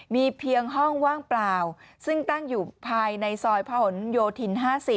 มีเพียงห้องว่างเปล่าซึ่งตั้งอยู่ภายในซอยพะหนโยธิน๕๐